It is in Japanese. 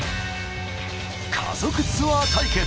家族ツアー対決。